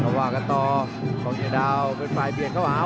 แล้วว่ากันต่อโกงเกดาวเป็นฝ่ายเปลี่ยนเข้าหา